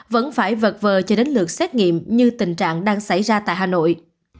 vẫn phải vật vờ cho đến lượt xét nghiệm như tình trạng đang xảy ra tại hà nội